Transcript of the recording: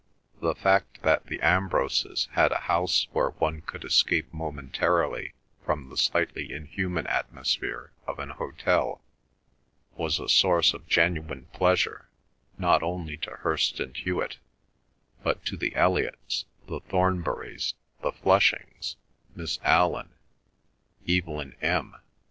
The fact that the Ambroses had a house where one could escape momentarily from the slightly inhuman atmosphere of an hotel was a source of genuine pleasure not only to Hirst and Hewet, but to the Elliots, the Thornburys, the Flushings, Miss Allan, Evelyn M.